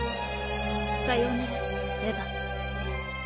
さようならエヴァ。